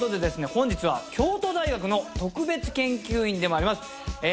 本日は京都大学の特別研究員でもありますえ